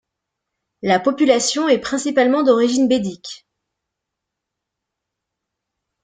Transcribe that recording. La population est principalement d'origine bédik.